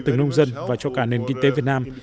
từng nông dân và cho cả nền kinh tế việt nam